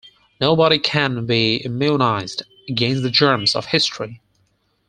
Nobody can be immunized against the germs of history.